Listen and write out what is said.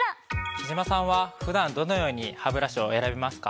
貴島さんは普段どのようにハブラシを選びますか？